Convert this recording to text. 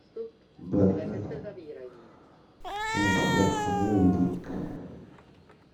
D'autant que l'enfant est, à présent, l'héritier d'un grand-oncle décédé…